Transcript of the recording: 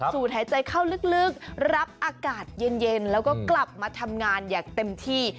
หายใจเข้าลึกรับอากาศเย็นแล้วก็กลับมาทำงานอย่างเต็มที่